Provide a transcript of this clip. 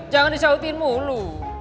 jangan disautin mulu